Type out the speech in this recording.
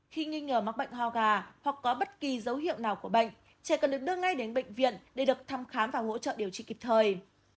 khi nghi ngờ mắc bệnh ho gà hoặc có bất kỳ dấu hiệu nào của bệnh trẻ cần được đưa ngay đến bệnh viện để được thăm khám và hỗ trợ điều trị kịp thời